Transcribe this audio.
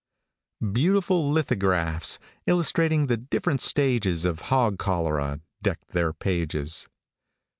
Beautiful lithographs, illustrating the different stages of hog cholera, deck their pages.